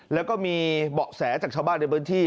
แล้วก็มีเบาะแสจากชาวบ้านในพื้นที่